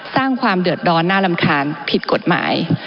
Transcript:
สร้างความเดือดร้อนน่ารำคาญผิดกฎหมาย